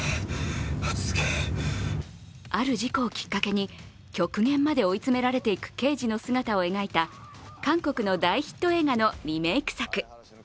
ある事故をきっかけに極限まで追い詰められていく刑事の姿を描いた韓国の大ヒット映画のリメイク作。